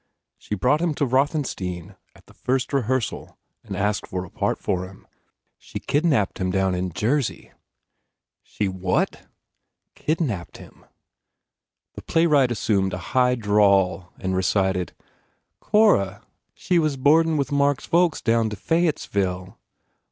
She brought him to Rothenstein at the first rehearsal and asked for a part for him. She kidnapped him down in Jersey." "She what?" "Kidnapped him." The playwright assumed a high drawl and recited, "Cora, she was boardin with Mark s folks down to Fayettesville.